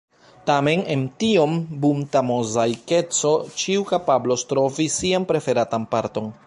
Tamen en tiom bunta mozaikeco ĉiu kapablos trovi sian preferatan parton.